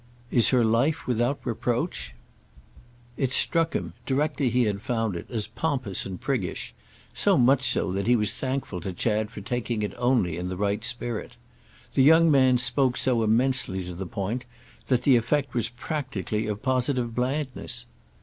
"Is her life without reproach?" It struck him, directly he had found it, as pompous and priggish; so much so that he was thankful to Chad for taking it only in the right spirit. The young man spoke so immensely to the point that the effect was practically of positive blandness.